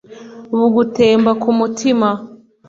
bugutemba ku mutima